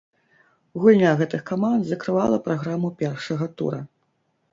Гульня гэтых каманд закрывала праграму першага тура.